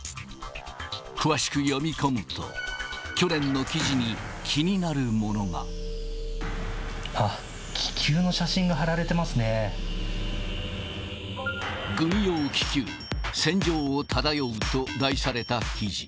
詳しく読み込むと、あっ、軍用気球、戦場を漂うと題された記事。